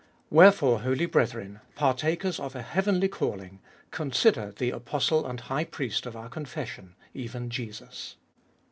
Wherefore, holy brethren, partakers of a heavenly calling, consider the Apostle and. High Priest of our confession, even Jesus.